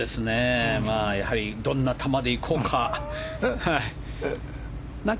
やはりどんな球で行こうか。